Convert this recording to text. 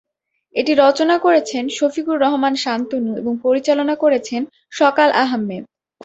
এটি রচনা করেছেন শফিকুর রহমান শান্তনু এবং পরিচালনা করেছেন সকাল আহমেদ।